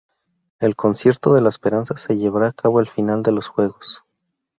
El "Concierto de la Esperanza" se llevará a cabo al final de los juegos.